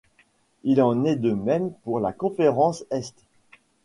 Il en est de même pour la conférence Est.